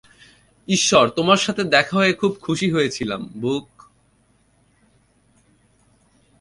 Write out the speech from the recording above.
ঈশ্বর, তোমার সাথে দেখা হয়ে খুব খুশি হয়েছিলাম, ব্যুক!